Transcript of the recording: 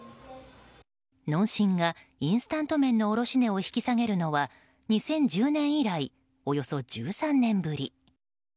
農心がインスタント麺の卸値を引き下げるのは２０１０年以来およそ１３年ぶり。